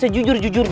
sekarang dia ada